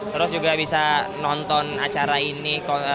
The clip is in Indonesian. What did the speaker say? terus juga bisa nonton acara ini